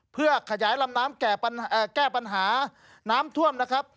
เพื่อขยายลำน้ำแก้ปัญหาน้ำท่วมนะครับ